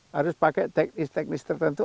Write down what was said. harus pakai teknis teknis tertentu